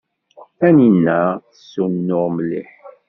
Taninna tessunuɣ mliḥ.